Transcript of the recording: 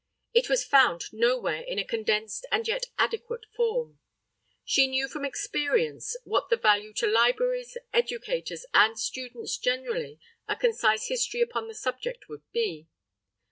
It was found nowhere in a condensed and yet adequate form. She knew from experience what the value to libraries, educators and students generally, a concise history upon the subject would be.